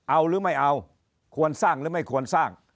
เอาหรือไม่เอาควรสร้างหรือไม่ควรสร้าง